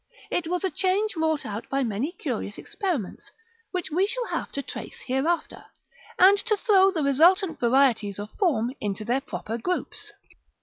It was a change wrought out by many curious experiments, which we shall have to trace hereafter, and to throw the resultant varieties of form into their proper groups.